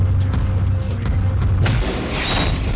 bajaj air dah hujung